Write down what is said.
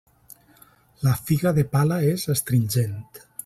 La figa de pala és astringent.